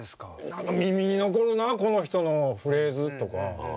「何か耳に残るなこの人のフレーズ」とか。